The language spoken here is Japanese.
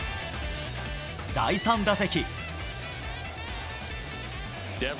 第３打席。